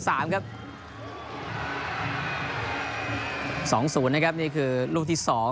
๒๐นะครับนี่คือลูกที่๒